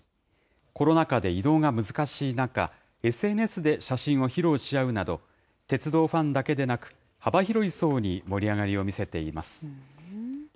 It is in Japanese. コロナ禍で移動が難しい中、ＳＮＳで写真を披露し合うなど、鉄道ファンだけでなく、幅広い層に盛り上がりを見せています。